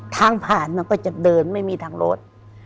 ทางผ่านมันก็จะเดินไม่มีทางรถ